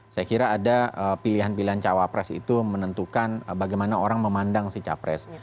saya kira ada pilihan pilihan cawapres itu menentukan bagaimana orang memandang si capres